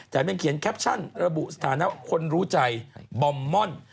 แต่ยังเขียนแคปชั่นระบุสถานะคนรู้ใจบอมม่อน